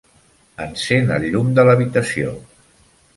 Encén el llum de l'habitació.